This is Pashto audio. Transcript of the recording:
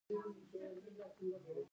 مزارشریف د افغانانو ژوند اغېزمن کوي.